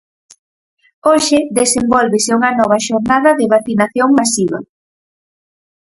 Hoxe desenvólvese unha nova xornada de vacinación masiva.